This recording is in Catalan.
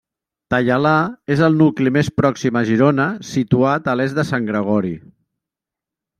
Taialà és el nucli més pròxim a Girona, situat a l’est de Sant Gregori.